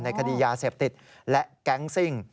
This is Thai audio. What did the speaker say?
คดียาเสพติดและแก๊งซิ่ง